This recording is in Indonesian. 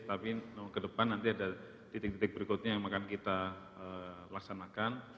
tapi ke depan nanti ada titik titik berikutnya yang akan kita laksanakan